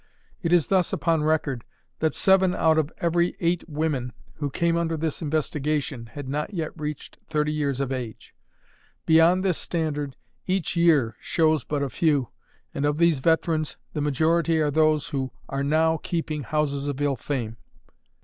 It is thus upon record that seven out of every eight women who came under this investigation had not yet reached thirty years of age. Beyond this standard each year shows but a few, and of these veterans the majority are those who are now keeping houses of ill fame.